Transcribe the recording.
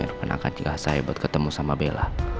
merupakan angkat jelas saya buat ketemu sama bella